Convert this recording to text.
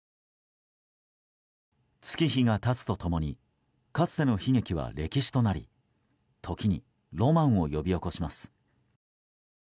月日が経つと共にかつての悲劇は歴史となり時にロマンを呼び起こします。